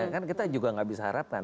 kita juga tidak bisa harapkan